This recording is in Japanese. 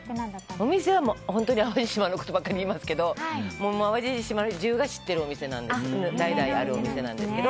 お店は本当に淡路島のことばっかり言いますけど淡路島で自分が知っているお店で代々あるお店なんですけど。